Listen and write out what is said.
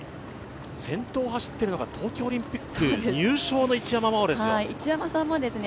先頭を走っているのが東京オリンピック優勝の一山麻緒ですよ。